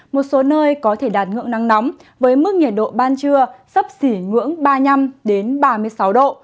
một số nơi có thể đạt ngưỡng nắng nóng với mức nhiệt độ ban trưa sấp xỉ ngưỡng ba mươi năm ba mươi sáu độ